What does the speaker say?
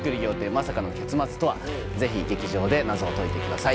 まさかの結末とは⁉ぜひ劇場で謎を解いてください